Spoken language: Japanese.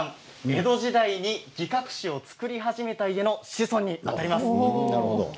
江戸時代に擬革紙を作り始めた家の子孫にあたります。